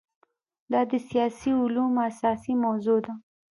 دا د سیاسي علومو اساسي موضوع ده.